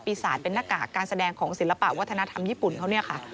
ศาสตร์เป็นหน้ากากการแสดงของศิลปะวัฒนธรรมญี่ปุ่นเขาเนี่ยค่ะ